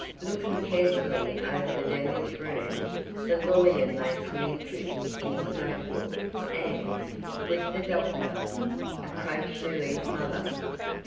Looking carefully over the damaged room the lawyer made some entries in his note book and, with the doctor, approached Lily's mother.